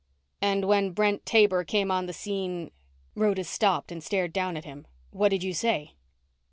"And when Brent Taber came on the scene " Rhoda stopped and stared down at him. "What did you say?"